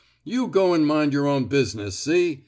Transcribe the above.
You go 'n mind yer own bus'ness, see?